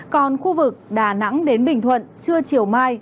còn khu vực đà nẵng đến bình thuận trưa chiều mai